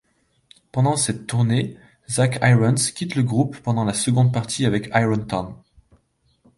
Pendant cette tournée, Zach Irons quitte le groupe pendant la seconde partie avec Irontom.